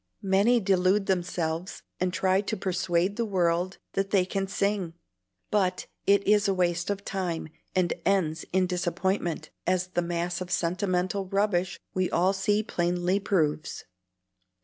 Many delude themselves, and try to persuade the world that they can sing; but it is waste of time, and ends in disappointment, as the mass of sentimental rubbish we all see plainly proves.